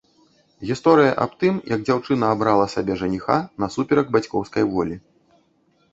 Гісторыя аб тым, як дзяўчына абрала сабе жаніха насуперак бацькоўскай волі.